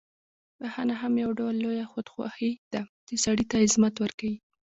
بخښنه هم یو ډول لویه خودخواهي ده، چې سړی ته عظمت ورکوي.